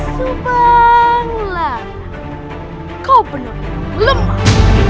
subanglah kau penuh lemah